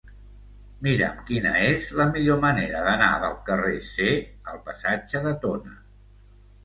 Mira'm quina és la millor manera d'anar del carrer C al passatge de Tona.